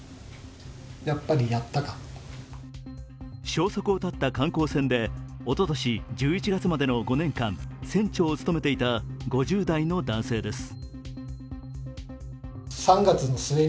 消息を絶った観光船でおととし１１月までの５年間船長を務めていた５０代の男性です。